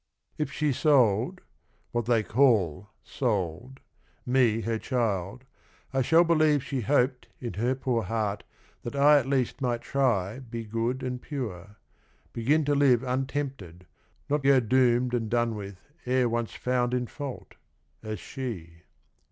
'.' If she sold, — what they call, sold — me her child — I shall believe she hoped in her poor heart That I at least might try be good and pure, Begin to live untempted, not go doomed And done with ere once found in fault, as she."